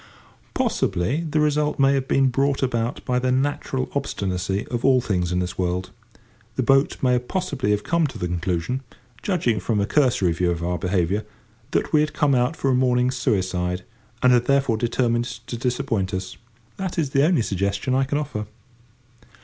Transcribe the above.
Possibly the result may have been brought about by the natural obstinacy of all things in this world. The boat may possibly have come to the conclusion, judging from a cursory view of our behaviour, that we had come out for a morning's suicide, and had thereupon determined to disappoint us. That is the only suggestion I can offer.